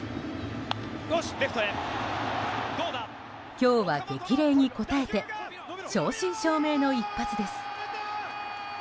今日は激励に応えて正真正銘の一発です。